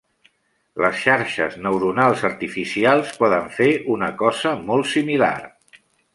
Les xarxes neuronals artificials poden fer una cosa molt similar.